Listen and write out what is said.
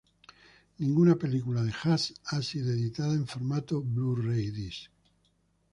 Ninguna película de Has ha sido editada en formato Blu-ray Disc.